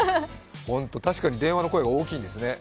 確かに電話の声が大きいですね。